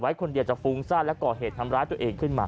ถ้าเกิดปล่อยไว้คนเดียวจะฟุ้งซะหรือเก่าเหตุทำร้ายตัวเองขึ้นมา